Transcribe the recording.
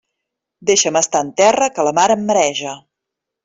Deixa'm estar en terra, que la mar em mareja.